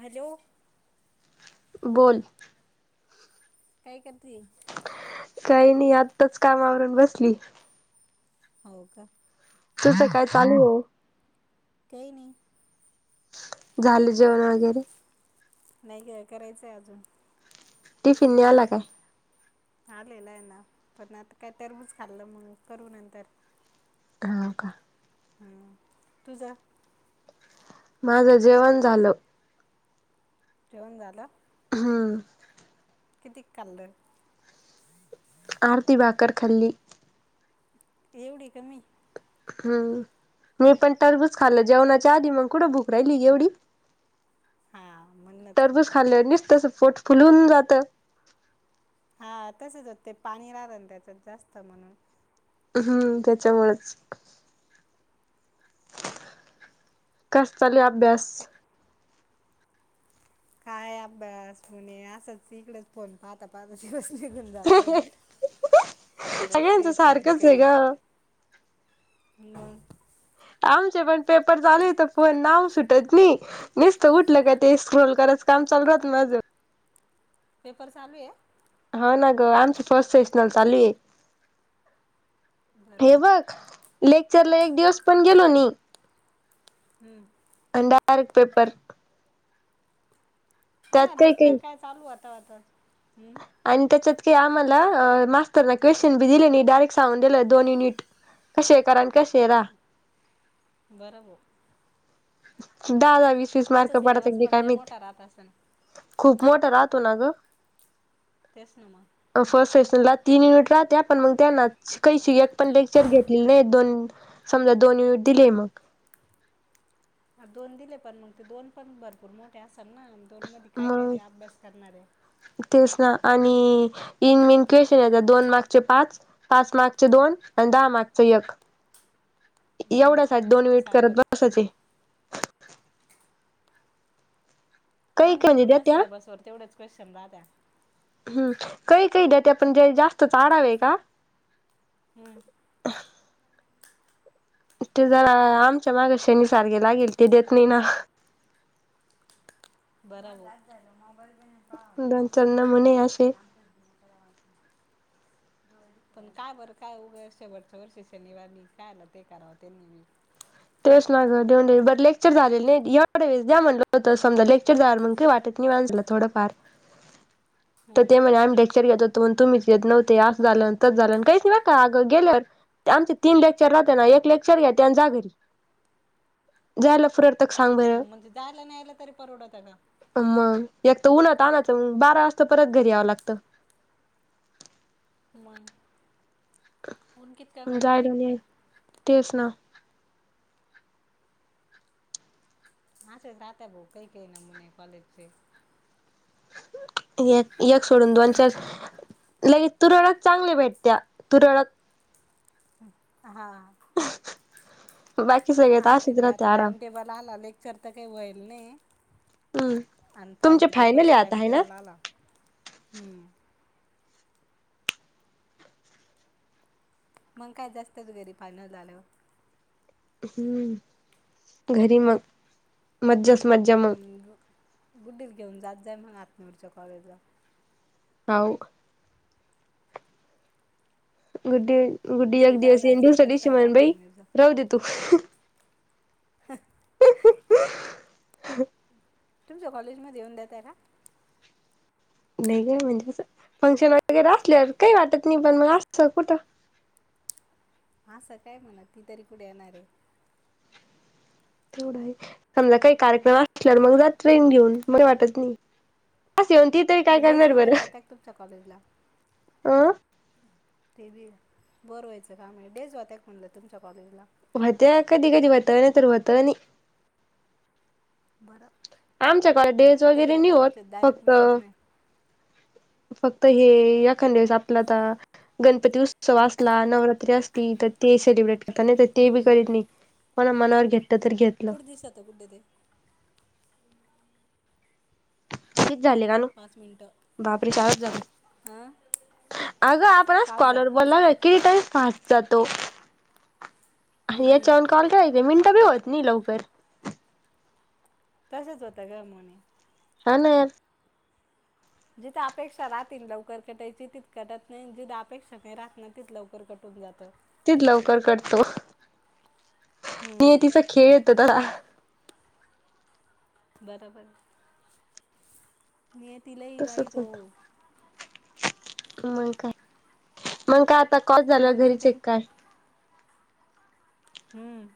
Hello बोल काय करतीये काही नाही आत्ताच काम आवरून बसली. हो का तुसं काय चालू ये. काही नाही. झालं जेवण वगैरे. नाही ग करायचंय अजून. टिफिन् नेला काय? आलेला आहे ना पण आता काय टरबूज खाल्लं मग करू नंतर. काव का? हू तुझं माझं जेवण झालं. जेवण झालं. हम्म कितीक खाल्ल. अर्धी भाकर खाल्ली. एवढी कमी. हम् मी पण टरबूज खाल्लं जेवणाच्या आधी मग कुठं भुक राहिली एवढी. हां म्हणूनच मग टरबूज खाल्ल नुसतच पोट फुलं होऊन जातं. हा तस जर त्यात पाणी राहतं ना त्याच्यात जास्त म्हणून. हम्म त्याच्यामुळच कसा चालू ये अभ्यास. काय काय अभ्यास म्हणे असंच इकडेच फोन. पाहता पाहता दिवस निघून जातो. कॉलेज काही सगळ्यांचं फोन सारखंच आहे काही ग ना आमचे पण पेपर चालू येतं तर पण नाव सुटत नाही. नसत उठल काय ते स्क्रोल करत काम चालू राहत माझं. पेपर चालू ये. हा ना ग आमची फर्स्ट सेशनल चालू ये बरं हे बघ. लेक्चरला एक दिवस पण गेलो नाही. हम्म अन् डायरेक्ट पेपर. हा त्यात ना काही लेक्चर काही काय चालू होतात हम्म आणि त्याच्यात की आम्हाला अ मास्तरन क्वेशचन बी दिले नाही डायरेक्ट सांगून दिलं दोन युनिट. कसेे करा अन् कसे राहा. बर वो दहा दहा वीस वीस तुमचा मार्क सिलेबस पडत्यात की पण काय लय माहित. मोठा राहत असेल खूप मोठा राहतो ना ग. तेच ना मग फर्स्ट सेशनला तीन युनिट राहत्यात पण मग त्यांना कहीशी एक पण लेक्चर घेतलेले नाही दोन समजा दोन युनिट दिले मग. हा दोन दिले पण मग ते दोन पण भरपूर मोठे असल ना दोन मध्ये काय मग काय अभ्यास करणार ये. तेच ना आणि इन मीन क्वेशन येतात दोन मार्कचे पाच पाच मार्कचे दोन आणि दहा मार्कच एक. एवढ्या साठी हम्म दोन आमचं वीट करत सारखंच बसायचे. काही काही आमच्या म्हणजे पूर्ण देत्या सिलेबस व तेवढेच क्वेशन झाल्या. हम्म काही काही द्या ते पण जे जास्त आडावं ह का हम ते जरा आमच्या मागे शेनी सारखे ला गेलती देत नाही ना बराबर दोन चार नमुने अशे पण काय बरं काय शेवटच वर्ष वरच्या वर्षी शनिवार म काय आलं ते करावं त्यांनी मी तेच ना गं देऊ दे बर लेक्चर झाले नाहीत एवढ वेस द्या म्हटलं होतं समद लेक्चर जाणार मग काय वाटत नाही मानसाला थोडंफार तर हम्म ते म्हनले आम्ही लेक्चर घेत होतो पण तुम्हीच घेतल होत असं झालं तस झालं काही नाही का अग गेलेत ते आमचे तीन लेक्चर राहते ना एक लेक्चर घेते आणि जा घरी झालं हा म्हणजे जायला आणि यायला तरी परवडत का मग एक तर ऊन्हा तानाच आण बारा वाजता परत घरी यावं लागतं मग ऊन कितकं पडत आहे एक लाईटबील तर तेच ना असे तात्या भाऊ काय काय नमुने कॉलेजचे एक एक सोडून दोन चार लई तुरळच चांगले भेटत्या तुरळत हम हा बाकी सगळ्यात आमचे असेच बी राहते आता आराम टाइमटेबल आला लेक्चर तर काही व्हायल नाही हम्म आणि तुमचे फायनल पेपरचा आहे आता टाइम आहे ना टेबल आला हम्म मग काय जास्तच घरी फायनल झाल्यावर हम घरी मग मज्जाच मज हम, गुड्डीच घेऊन जात जय मग आतनूरच्या कॉलेजला हाऊ का? गुड्डी गुड्डी तुला एक जेव्हा दिवस येईन आणि जायचं दुसऱ्या असलं दिवशी तेव्हा म्हणल बाई टाकून घेत जा जाव दे तू हहह तुमच्या कॉलेज मध्ये येऊन देताय का? नाही काय म्हणजे असं फंक्शन वगैरे असल्यावर काही वाटत नाही पण मग असतं कुठं असं काय म्हणत नाही तरी कुठे येणार आहे समजा काही कार्यक्रम असला आणि मग जात ट्रेन घेऊन बर वाटत नाही असतीत डेस वगैरे होत का तुमच्या कॉलेजला अ ते बी बोर व्हायचं काय आहे डेज होता काय म्हणलं तुमच्या कॉलेजला होतेय कधी कधी होत तर होत ही नाही बरं आमच्या कॉलेज डेज तुम्ही तरी वगैरे नाही होता होत आमच्यात डायरेक्ट फक्त विषयच नाही. फक्त हे एकादया वेळेस आपल आता गणपती उत्सव असला नवरात्री असली तर ते सेलिब्रेट होत नाही तर ते बी हम्म काही नाही कोणा मनावर घेतल तर घेतल कुठ दिसत आता गुडडे ते किती झाले का न बापरे चार वाजल आ. आगं आपणच कॉलवर बोललाय किती टाइम फास्ट जातो. हम्म याच्यावर कॉल काय मिनटं बी होत नाही लवकर. तसच होत ग मुनी. हा ना. जिथे अपेक्षा राहतील लवकर कटायची तिथ कटत नाही. जिथ अपेक्षा नाही राहत नाही तिथ लवकर कटून जातं. तीच लवकर कटतो. हम्म नियतीचा खेळ येतो तला. बरोबर. नियती लई तसच वाईट हो. होत मग काय. मंग का आता कॉल झाल्या मम्मीन घरीच चेक त्यान काय. हम्म.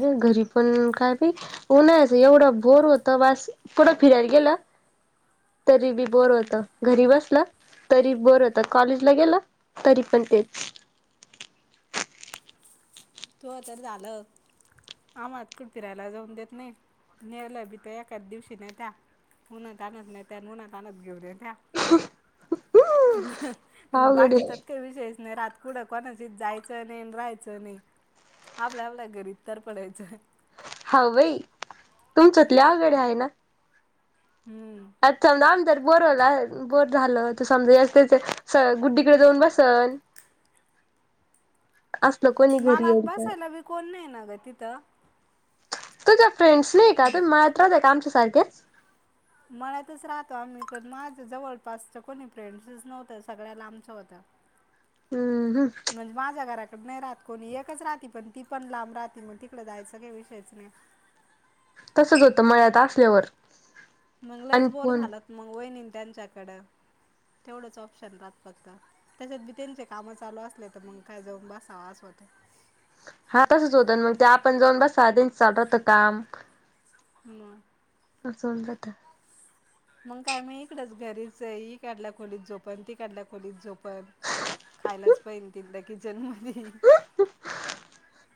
ह घरी पण काय बी उन्हांचं एवढा बोर होत. बास. कुठं फिरायला गेला. तरी बी बोर हम्म होत. घरी बसला तरी बोर होत. कॉलेजला गेला तरी पण तेच. तूह जर झालं. आम्हाला कुठ फिरायला जाऊन देत नाही. नेलं भी ते एकाच दिवशी नेत्या. उन्हा तान्हाच नेत्या. उन्हा तान्हाच घेऊन येत्या. अवघड बाकीचाच काही विषयच नाही राहत. कुठ कॉलेजात जायचं नाही आणि राहायचं नाही. आपल्या आपल्या घरी तर पडायचं. हा बाई तुमच्यात आवड ही आहे ना. हम्म. अच्छा. नंतर पोर झाल की. बोट झालं तू समजा. असल तर गुड्डीकडे जाऊन बसेन. अस. मला आत बसायला बी कोण नाही ना ग तिथं. तुझ्या फ्रेंड्स नाही का ब- तू मळ्यात राहते का आमच्यासारखेच. मळत्याच राहतो आम्ही पण. माझं जवळपासच कोणी फ्रेंड्सच नव्हतं सगळ्या लांबच्या होत्या. [inaudible] हम्म म्हणजे माझ्या घराकड नाही राहत. कोणी एकच राहती पण ती पण लांब राहते. मग तिकड जायचं काही विषयच नाही. तसंच होतं मळ्यात असल्यावर. मग आणि लईच बोर फोन झालात मग वैणी त्यांच्याकडें तेवढंच ऑप्शन राहत फक्त. त्याच्यात बी त्यांचे कामं चालू असले तर मग काय जाऊन बसावा अस होत. हा तसंच होतं मग ते आपण जाऊन बसाव. त्याच चालू राहत काम. हम्. अस होऊन जात. मग काय मी इकडच घरीच ही इकडल्या खोलीत झोपल. तिकडल्या खोलीत झोपल. खायलाच पाहिजे. तितल्या किचन मध्ये [unintelligible]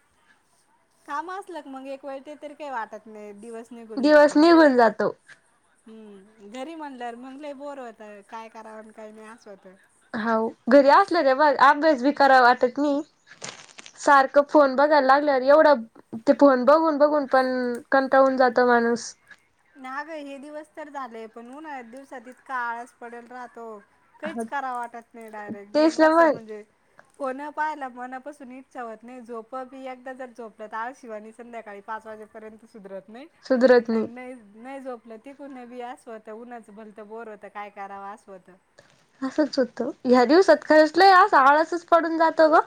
काम असल मग एक वेळ ते तरी काही वाटत नाही दिवस निघून दिवस जातो. निघून जातो. हम्म. घरी म्हणलं मग लई बोर होत. काय कराव, काही नाही अस होत. हो. घरी असलं रे अभ्यास भी करावा वाटत नाही. सारखं फोन बघायला लागला वर एवढं ते फोन बघून बघून पण कंटाळून जातो माणूस. ना गय हे दिवस तर झालेय पण उन्हाळात दिवसातच इतका आळस पडत राहतो. काहीच कराव वाटत नाही डायरेक्ट तेच नेमकं ना असं मग म्हणजे फोन पाहिला मनापासून इच्छा होत नाही झोप बी एकदा जर झोपलं तर आळशी वानीच संध्याकाळी पाच वाजेपर्यंत सुधरत नाही आणि नाही नाही झोपलं ते पण हे बी अस होतं उन्हाच भलतं बोर होतं काय करावं अस होत. असंच होतं ह्या दिवसात खरच लई असा आळसच पडून जातो गं.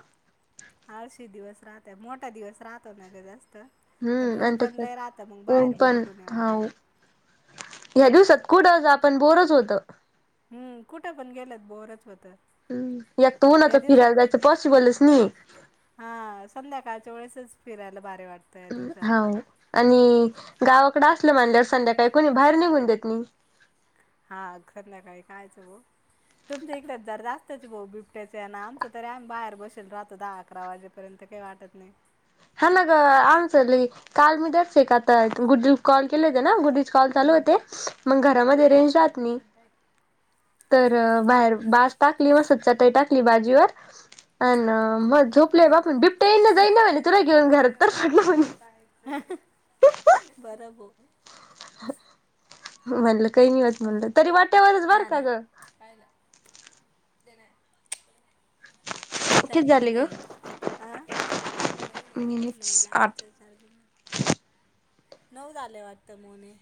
आळशी दिवस राहतोय मोठा दिवस राहतो ना गं जास्त. अन हम्म ऊन आणि पण लई राहतं मग त्याच्यात ऊन बाहेर बी पण निघू नाही हा वाटतं. ह्या दिवसात कुठं जा पण बोअर च होतं. हम्म कुठं पण गेलत बोअर च होत. हम्म एक तर उन्हाच फिरायला जायचं पॉसिबलच नाही. हां संध्याकाळच्या वेळेसच फिरायला भारी वाट हाव आणि गावाकडें असलं म्हणाल्यावर संध्याकाळी कोणी बाहेर निघून देत नाही. हां सध्याकाळी कायचं बो तुमचं इकडे जर जास्तच भा बिबट्याच हेन आमचा तरी आम्ही बाहेर बसल राहतो दहा अकरा वाजे पर्यंत काही वाटत नाही. हां ना गं आमच लई काल मी दस एकात आता गुड्डी ला कॉल केले होते ना गुड्डी चे कॉल चालू हम्म. होते मग घरामध्ये रेंज राहत नाही. तर बाहेर बास टाकली मग असच चटई टाकली बाजीवर अन मग झोपलेय बापण बिबट्या येईना जाई ना म्हणे [unintelligible] तुला घेऊन घरात तर म्हणे. बर बो. म्हणलं काही नाही होतं म्हणलं तरी वाट्यावरच बरं का गं. पाहिला. ते नाही. किती चार्जिंग झाले ग नाही, चार्जिंग लाविले का? नाही लावायच. नऊ झालं वाटतं मोने!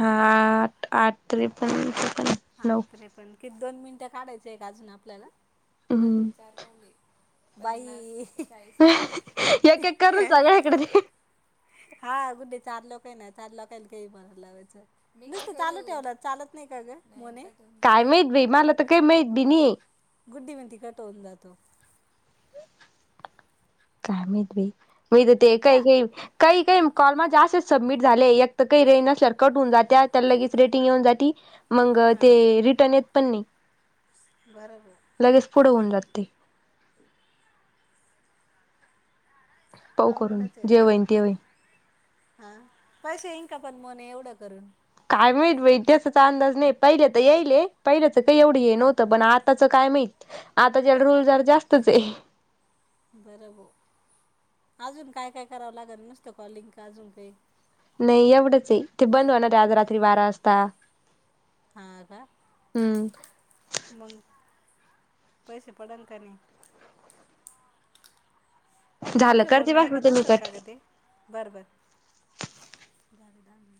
हां आठ आठ त्रेपन चोपन आठ त्रेपन्न किती दोन मिनिटं काढायचं आहे का अजून आपल्याला? हम्म अजून चार पाऊले पन्नास ते चाळीस मिनिट, बाई इकडे दे. हां गुड्डी चार लोके ना चार लोकेल के फोन लावायचं. मी काय करू? नुसतं चालू ठेवला चालत नाही का गं मोने? काय माहित बाई, मला तर काय माहित बी नाहीये. गुड्डी म्हणती कट होऊन जातो. काय माहित बाई मी तर ते त्या काय काय काही काही कॉल माझे जास्त असेच सबमिट झाले एकतर काही रेंज नसल्यावर कट होऊन जात्या त्याला लगेच रेटिंग येऊन जाती. मग ते रिटर्न येत पण नाही. बराबर. लगेच पुढे जात ते. पाऊ करून अवघडच आहे जे बाबा होईन ते होईन हे. हां पैसे येईन का पण मोने एवढं करून? काय माहीत बाई त्याचाच अंदाज नाही पहिल्या तर येईलय पहिल्याचं काही एवढं हे नव्हतं पण आताच काय माहीत. आत्ताच्याला रुल जरा जास्तच आहे. बरं बो अजून काय काय करावं लागेल नुसतं कॉलिंग का अजून काही? नाही एवढंच आहे ते बंद होणारे आज रात्री बारा वाजता. हां का? हम्म मग पैसे पडल का नाही? झालं आपलं करते बोलणं बा ऐकतं होते मी असेल का कट गं ते, बरं बरं द दहा मि